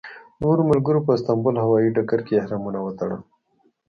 نورو ملګرو په استانبول هوایي ډګر کې احرامونه وتړل.